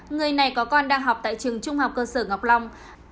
người này có con đang học tại trường trung học cơ sở ngọc long